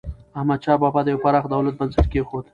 احمدشاه بابا د یو پراخ دولت بنسټ کېښود.